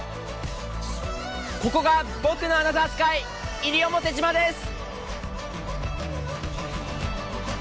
ここが僕のアナザースカイ西表島です！